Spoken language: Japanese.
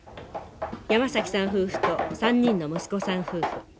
山崎さん夫婦と３人の息子さん夫婦。